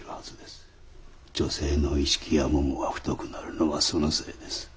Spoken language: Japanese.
女性の居敷やももが太くなるのはそのせいです。